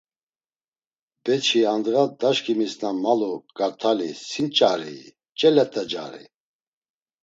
Beçi, andğa daşǩimis na malu kart̆ali si nç̌arii, ç̌e let̆acari?